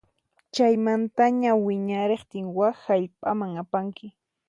Chaymantaña wiñariqtin wak hallp'aman apanki.